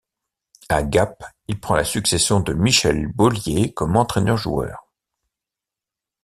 À Gap, il prend la succession de Michel Baulier comme entraîneur-joueur.